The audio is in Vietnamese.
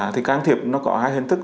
thì can thiệp nó có hai hình thức